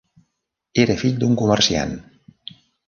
Era fill d'un comerciant.